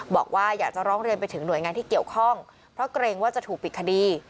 บอกว่าอยากจะร้องเรียนไปถึงหน่วยงานที่เกี่ยวข้องเพราะเกรงว่าจะถูกปิดคดี